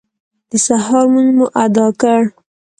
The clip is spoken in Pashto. د سهار لمونځ مو اداء کړ.